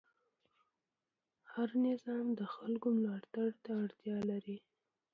هر نظام د خلکو ملاتړ ته اړتیا لري